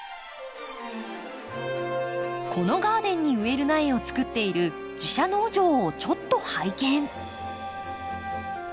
このガーデンに植える苗をつくっている自社農場をちょっと拝見。